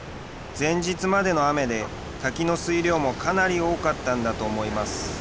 前日までの雨で滝の水量もかなり多かったんだと思います。